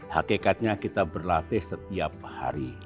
hakikatnya kita berlatih